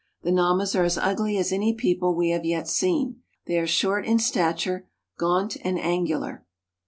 The Namas are as ugly as any people we have yet seen. They are short in stature, gaunt, and angular.